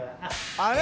あれ？